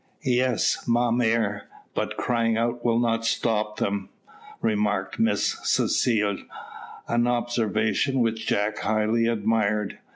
"Yes, ma mere, but crying out will not stop them," remarked Miss Cecile; an observation which Jack highly admired.